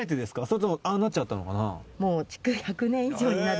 それともああなっちゃったのかなぁ？